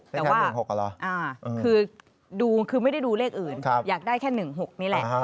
แต่ว่าคือดูคือไม่ได้ดูเลขอื่นอยากได้แค่๑๖นี่แหละ